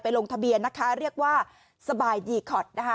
ลงทะเบียนนะคะเรียกว่าสบายดีคอตนะคะ